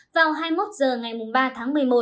vào hai mươi một h ngày ba tháng một mươi một